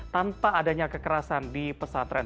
tanpa adanya kekerasan di pesantren